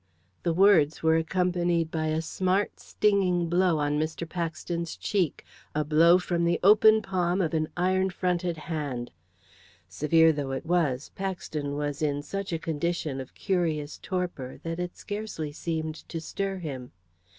The words were accompanied by a smart, stinging blow on Mr. Paxton's cheek, a blow from the open palm of an iron fronted hand. Severe though it was, Paxton was in such a condition of curious torpor that it scarcely seemed to stir him.